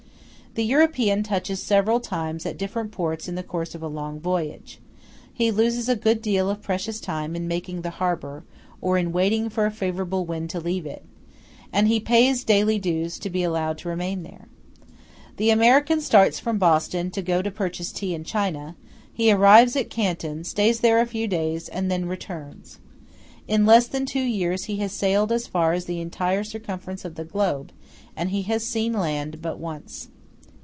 The European touches several times at different ports in the course of a long voyage; he loses a good deal of precious time in making the harbor, or in waiting for a favorable wind to leave it; and he pays daily dues to be allowed to remain there. The American starts from Boston to go to purchase tea in China; he arrives at Canton, stays there a few days, and then returns. In less than two years he has sailed as far as the entire circumference of the globe, and he has seen land but once.